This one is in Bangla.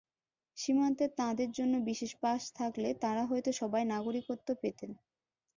সীমান্তে তাঁদের জন্য বিশেষ পাস থাকলে তাঁরা হয়তো সবাই নাগরিকত্ব পেতেন।